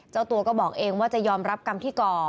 เจ้าตัวก็บอกเองว่าจะยอมรับกรรมที่ก่อ